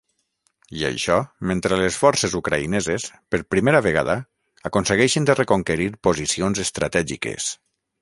I això mentre les forces ucraïneses, per primera vegada, aconsegueixen de reconquerir posicions estratègiques.